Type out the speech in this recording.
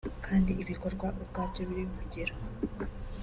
kandi ibikorwa ubwabyo birivugira